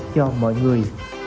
cho mọi người